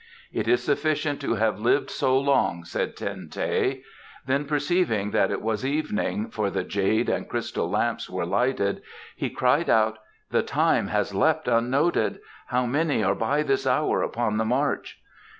"It is sufficient to have lived so long," said Ten teh. Then perceiving that it was evening, for the jade and crystal lamps were lighted, he cried out: "The time has leapt unnoted. How many are by this hour upon the march?"